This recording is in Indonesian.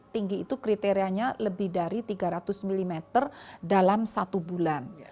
tinggi itu kriterianya lebih dari tiga ratus mm dalam satu bulan